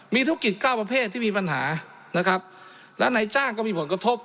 มีธุรกิจเก้าประเภทที่มีปัญหานะครับและนายจ้างก็มีผลกระทบ